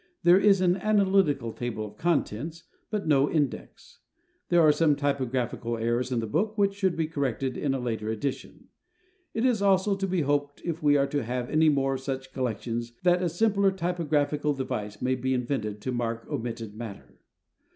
There is an analytical table of contents, but no index. There are some typographical errors in the book which should be corrected in a later edition. It is also to be hoped if we are to have any more of such collections, that a simpler typographical device may be invented to mark omitted matter.